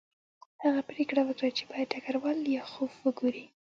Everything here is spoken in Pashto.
هغه پریکړه وکړه چې باید ډګروال لیاخوف وګوري